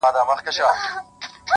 هغه مېوه مې